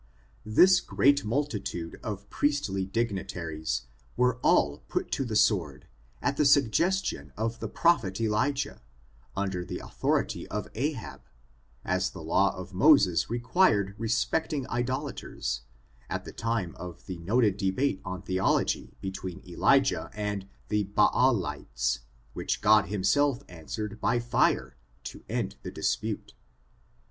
This great multitude of priestly dignitaries were all put to the sword, at the suggestion of the Prophet Eli jah, under the authority of Ahab, as the law of Mo required respecting idolatei s, at the time of the ' I \ 194 ORIGIN, CHARAGTBB, AND noted debate on theology between Elijah and the Baalites, when God himself answered by Jire to end the dispute.